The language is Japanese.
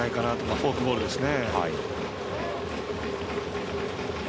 フォークボールですね。